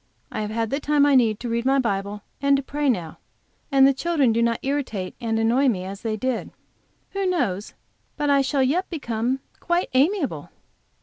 I have all the time I need to read my Bible and to pray now, and the children do not irritate and annoy me as they did. Who knows but I shall yet become quite amiable?